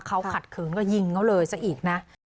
เขาขัดขืนก็ยิงเขาเลยซะอีกนะ